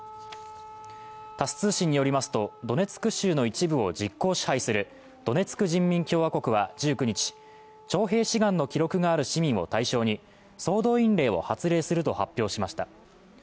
タス通信によりますと、ドネツク州の一部を実効支配するドネツク人民共和国は１９日、徴兵志願の記録がある市民を対象に総動員令を発令すると発表しました。